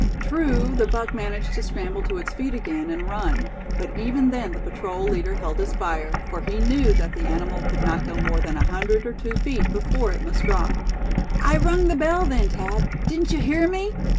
True, the buck managed to scramble to its feet again, and run; but even then the patrol leader held his fire, for he knew that the animal could not go more than a hundred or two feet before it must drop. "I rung the bell then, Thad; didn't you hear me?"